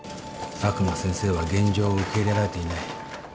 佐久間先生は現状を受け入れられていない。